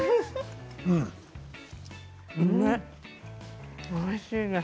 うん、おいしいです。